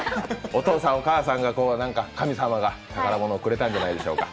お父さん、お母さんが、神様がくれたんじゃないでしょうか。